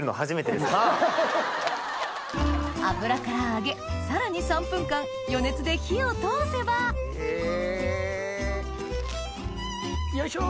油から上げさらに３分間余熱で火を通せばよいしょ！